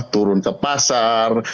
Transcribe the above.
turun ke pasar